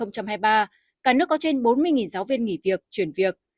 cả nước có trên bốn mươi giáo viên nghỉ việc chuyển việc